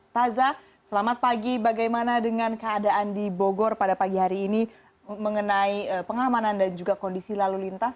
taza selamat pagi bagaimana dengan keadaan di bogor pada pagi hari ini mengenai pengamanan dan juga kondisi lalu lintas